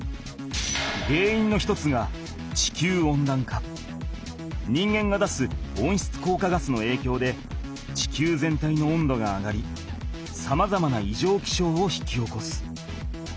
げんいんの一つが人間が出すおんしつこうかガスのえいきょうで地球全体の温度が上がりさまざまないじょうきしょうを引き起こす。